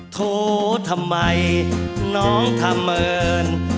โถทำไมน้องทำเหมือน